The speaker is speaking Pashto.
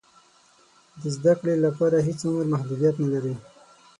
د زده کړې لپاره هېڅ عمر محدودیت نه لري.